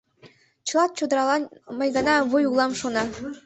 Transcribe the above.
Чыла чодыралан мый гына вуй улам, шона.